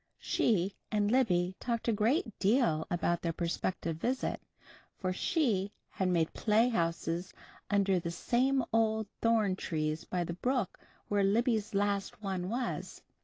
She and Libby talked a great deal about that prospective visit, for She had made playhouses under the same old thorn tree by the brook where Libby's last one was.